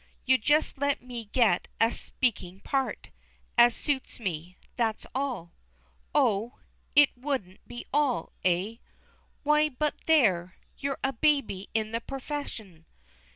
You just let me get a "speaking part" as suits me, that's all! Oh it "would be all," eh? Why but there! you're a baby in the purfession!